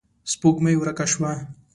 سپوږمۍ ورکه شوه.